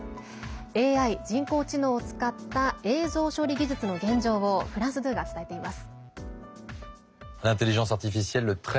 ＡＩ＝人工知能を使った映像処理技術の現状をフランス２が伝えています。